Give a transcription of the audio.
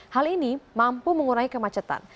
hal ini mampu mengurai kemacetan